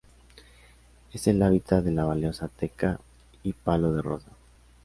Es el hábitat de la valiosa teca y palo de rosa.